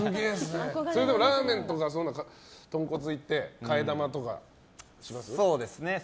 ラーメンとか、豚骨いって替え玉とかします？